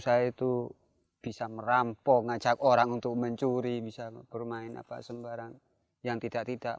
saya itu bisa merampok ngajak orang untuk mencuri bisa bermain sembarang yang tidak tidak